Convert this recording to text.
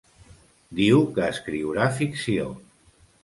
Diu que escriurà ficció.